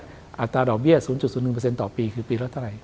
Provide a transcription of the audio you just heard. อัตราดอกเบี้ย๐๐๑ต่อปีคือปีละเท่าไหร่